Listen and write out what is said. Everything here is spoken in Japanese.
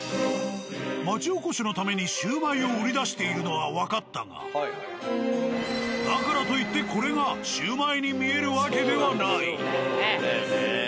街おこしのためにシウマイを売り出しているのはわかったがだからといってこれがシウマイに見えるわけではない。